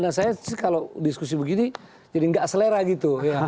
dan saya kalau diskusi begini jadi nggak selera gitu